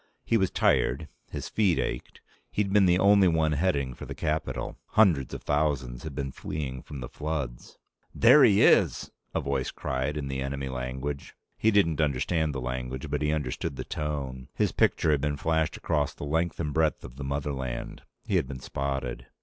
He was tired. His feet ached. He'd been the only one heading for the capital. Hundreds of thousands had been fleeing from the floods ... "There he is!" a voice cried in the enemy language. He didn't understand the language, but he understood the tone. His picture had been flashed across the length and breadth of the motherland. He had been spotted.